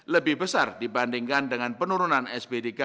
lebih besar dibandingkan dengan penurunan sbdk